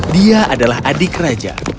dia adalah adik raja